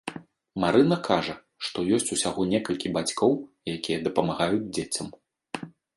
Марына кажа, што ёсць усяго некалькі бацькоў, якія дапамагаюць дзецям.